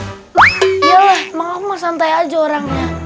yalah emang aku mau santai aja orangnya